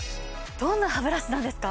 どんなハブラシなんですか？